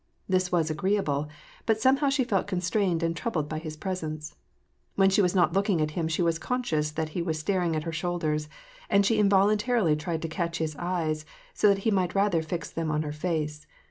This was agreeable, but somehow she felt constrained and troubled by his presence. When she was not looking at him she was conscious that he was staring at her shoulders, and she involuntarily tried to catch his eyes, so that he might rather fix them on her face.